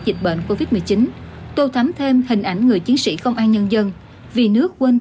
dịch bệnh covid một mươi chín tô thắm thêm hình ảnh người chiến sĩ công an nhân dân vì nước quên